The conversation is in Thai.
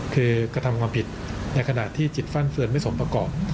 คือกระทำความผิดในขณะที่จิตฟั่นเฟือนไม่สมประกอบ